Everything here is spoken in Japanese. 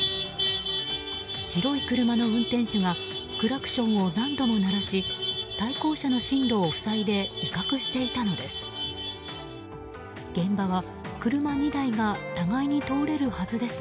白い車の運転手がクラクションを何度も鳴らし対向車の進路を塞いで威嚇していたのです。